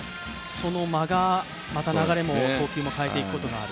その間がまた流れも投球も変えていくことがある。